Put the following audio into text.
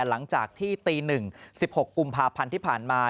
หลังจากที่ตี๑๑๖กุมภาพันธ์ที่ผ่านมา